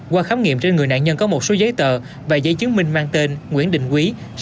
qua khám nghiệm trên người nạn nhân có một số giấy tờ và giấy chứng minh mang tên nguyễn đình quý